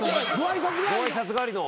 ご挨拶代わりの。